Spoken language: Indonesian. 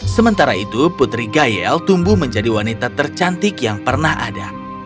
sementara itu putri gayel tumbuh menjadi wanita tercantik yang pernah ada